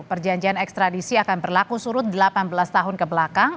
perjanjian ekstradisi akan berlaku surut delapan belas tahun kebelakang